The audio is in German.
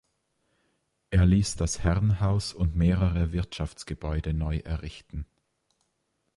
Er ließ das Herrenhaus und mehrere Wirtschaftsgebäude neu errichten.